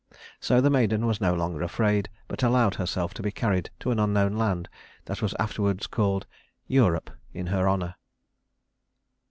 So the maiden was no longer afraid, but allowed herself to be carried to an unknown land that was afterward called Europe in her honor.